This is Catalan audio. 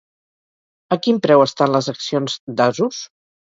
A quin preu estan les accions d'Asus?